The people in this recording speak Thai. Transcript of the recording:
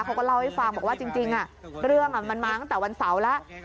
เขาก็เล่าให้ฟังบอกว่าจริงเรื่องมันมาตั้งแต่วันเสาร์แล้ว